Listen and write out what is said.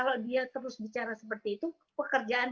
terus numpang tanya kalau dia terus bicara seperti itu pekerjaan apa